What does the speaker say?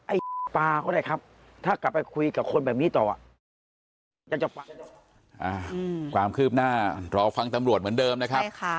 ไอ้ปลาก็ได้ครับถ้ากลับไปคุยกับคนแบบนี้ต่อ